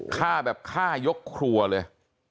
ฆ่าแบบฆ่ายกครัวเลย